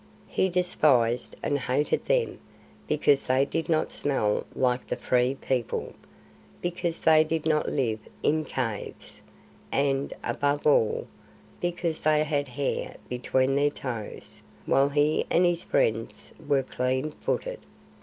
He despised and hated them because they did not smell like the Free People, because they did not live in caves, and, above all, because they had hair between their toes while he and his friends were clean footed.